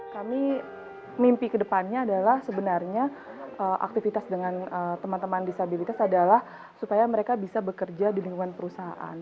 kami mimpi kedepannya adalah sebenarnya aktivitas dengan teman teman disabilitas adalah supaya mereka bisa bekerja di lingkungan perusahaan